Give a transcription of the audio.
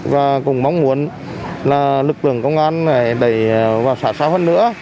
và cũng mong muốn lực lượng công an đẩy vào xã sơn nữa